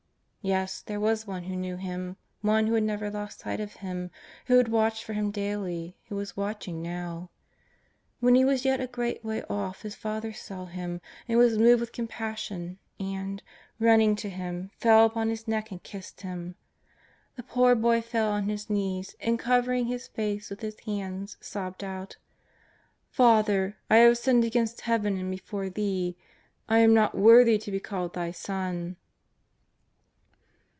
Yes, there was one who knew him, one who had never lost sight of him, who had watched for him daily, who was watching now. When he was yet a great w^ay off his father saw him and was moved with compassion, and, running to him, fell upon his neck and kissed him. The poor boy fell on his knees, and, covering his face with his hands, sobbed out: " Father, I have sinned against Heaven and before thee, I am not now worthy to be called thy son."